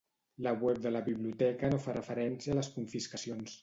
La web de la biblioteca no fa referència a les confiscacions.